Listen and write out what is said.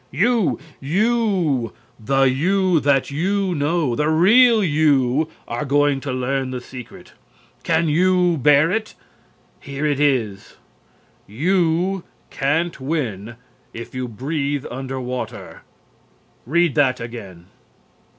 You, the you that you know, the real you, are going to learn the secret. Can you bear it? Here it is: You can't win if you breathe under water. Read that again.